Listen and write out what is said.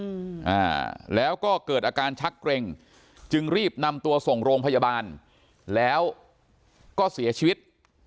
อ่าแล้วก็เกิดอาการชักเกร็งจึงรีบนำตัวส่งโรงพยาบาลแล้วก็เสียชีวิต